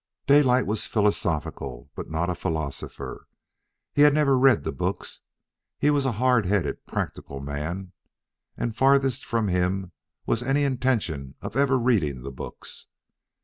Daylight was philosophical, but not a philosopher. He had never read the books. He was a hard headed, practical man, and farthest from him was any intention of ever reading the books.